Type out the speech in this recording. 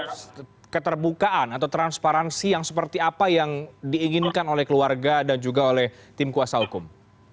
ada keterbukaan atau transparansi yang seperti apa yang diinginkan oleh keluarga dan juga oleh tim kuasa hukum